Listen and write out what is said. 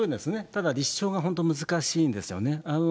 ただ立証は本当、難しいんですよね。